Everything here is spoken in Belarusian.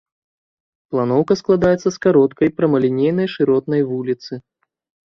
Планоўка складаецца з кароткай прамалінейнай шыротнай вуліцы.